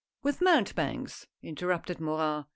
"With mountebanks?" interrupted Morin.